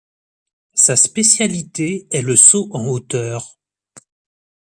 Sa spécialité est le saut en hauteur.